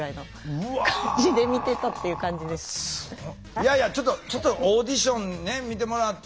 いやいやちょっとオーディション見てもらった。